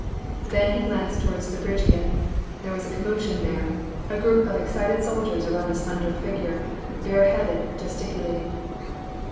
Then he glanced toward the bridge again. There was a commotion there; a group of excited soldiers around a slender figure, bareheaded, gesticulat ing.